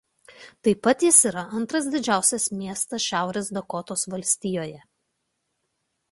Taip pat jis yra antras didžiausias miestas Šiaurės Dakotos valstijoje.